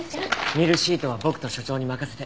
ミルシートは僕と所長に任せて。